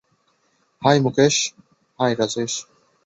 High Mukesh, - hi Rajesh.